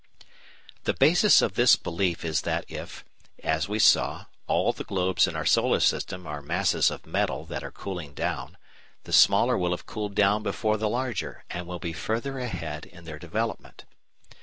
The basis of this belief is that if, as we saw, all the globes in our solar system are masses of metal that are cooling down, the smaller will have cooled down before the larger, and will be further ahead in their development.